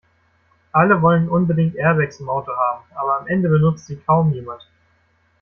Alle wollen unbedingt Airbags im Auto haben, aber am Ende benutzt sie kaum jemand.